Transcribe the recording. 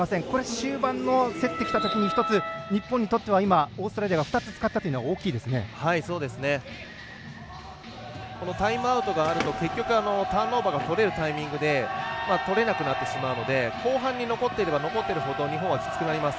終盤の競ってきたときに１つ、日本にとってはオーストラリアが２つ使ったというのはこのタイムアウトがあると結局ターンオーバーが取れるタイミングでとれなくなってしまうので後半に残ってれば残ってるほどきつくなります。